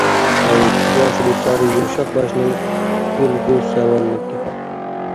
ھەي، بۇ ئاشۇ بىچارە يۇمشاق باشنىڭ ئۆلگۈر سەۋەنلىكى.